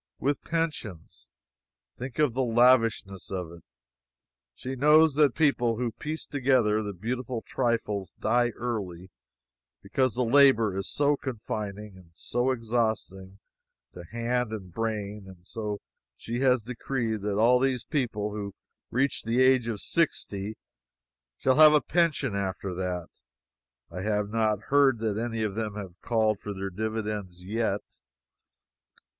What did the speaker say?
With pensions! Think of the lavishness of it. She knows that people who piece together the beautiful trifles die early, because the labor is so confining, and so exhausting to hand and brain, and so she has decreed that all these people who reach the age of sixty shall have a pension after that! I have not heard that any of them have called for their dividends yet.